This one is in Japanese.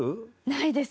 ないです。